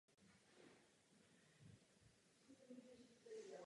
Vyjma španělské produkce hraje také v zahraničních filmech.